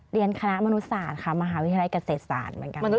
เรียนคณะมนุษศาสตร์ค่ะมหาวิทยาลัยเกษตรศาสตร์เหมือนกัน